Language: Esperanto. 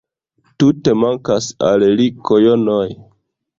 Tute mankas al li kojonoj